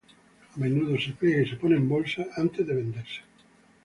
A menudo se pliega y se pone en bolsas antes de ser vendido.